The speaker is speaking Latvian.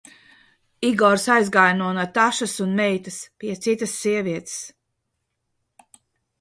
Igors aizgāja no Natašas un meitas pie citas sievietes.